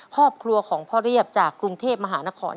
ครอบครัวของพ่อเรียบจากกรุงเทพมหานคร